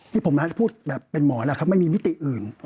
ที่ผมมาพูดแบบเป็นหมอแล้วครับไม่มีมิติอื่น